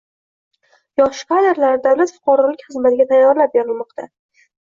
Yosh kadrlar davlat fuqarolik xizmatiga tayyorlab borilmoqda